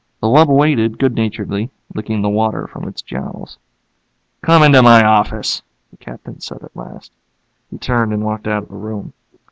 The wub waited good naturedly, licking the water from its jowls. "Come into my office," the Captain said at last. He turned and walked out of the room.